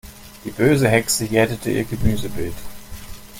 Die böse Hexe jätete ihr Gemüsebeet.